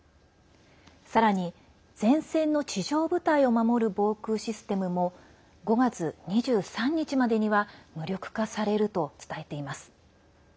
さらに、前線の地上部隊を守る防空システムも５月２３日までには無力化されると伝えています。